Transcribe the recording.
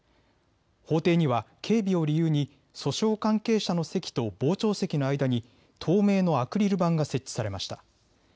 法廷には警備を理由に訴訟関係者の席と傍聴席の間に透明のアクリル板が設置されました。